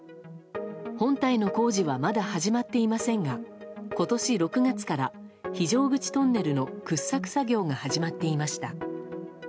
本体の工事はまだ始まっていませんが今年６月から非常口トンネルの掘削作業が始まっていました。